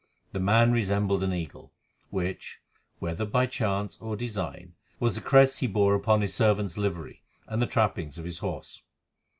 The man resembled an eagle, which, whether by chance or design, was the crest he bore upon his servants' livery, and the trappings of his horse.